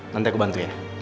nanti aku bantu ya